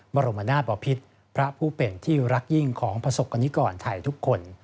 บรมนาศบอพิษพระผู้เป็นที่รักยิ่งของประสบกรณิกรไทยทุกคน